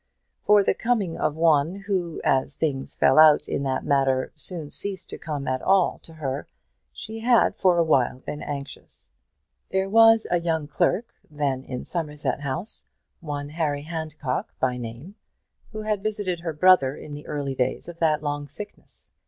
For the coming of one, who, as things fell out in that matter, soon ceased to come at all to her, she had for a while been anxious. There was a young clerk then in Somerset House, one Harry Handcock by name, who had visited her brother in the early days of that long sickness.